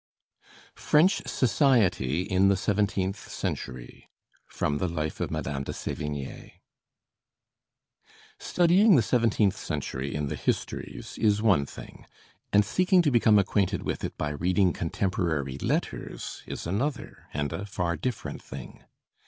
FRENCH SOCIETY IN THE SEVENTEENTH CENTURY From the (Life of Madame de Sévigné) Studying the seventeenth century in the histories is one thing, and seeking to become acquainted with it by reading contemporary letters is another and a far different thing.